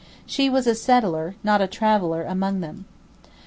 She was a settler, not a traveller among them.